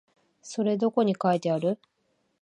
それどこに書いてある？